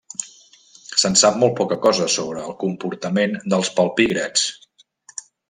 Se'n sap molt poca cosa sobre el comportament dels palpígrads.